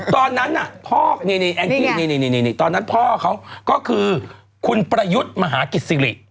ตอนนั้นพ่อนี่แองจี้นี่ตอนนั้นพ่อเขาก็คือคุณประยุทธ์มหากิจศิริ